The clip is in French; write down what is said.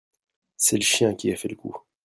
C'est le chien qui a fait le coup.